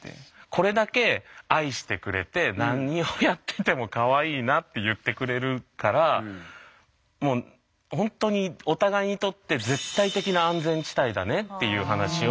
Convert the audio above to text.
これだけ愛してくれて何をやってても「かわいいな」って言ってくれるからもうほんとにお互いにとってっていう話を。